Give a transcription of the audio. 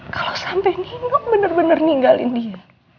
kalau sampai nino bener bener ninggalin dia